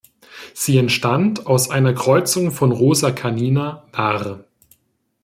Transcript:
Sie entstand aus einer Kreuzung von "Rosa canina var.